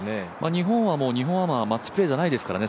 日本は、日本アマはマッチプレーじゃないですからね。